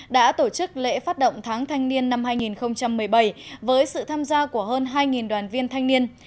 đã tổ chức lễ phát động tháng thanh niên năm hai nghìn một mươi bảy với sự tham gia của hơn hai đoàn viên thanh niên